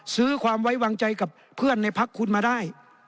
ซื้อความไว้วางใจกับเพื่อนในพักคุณมาได้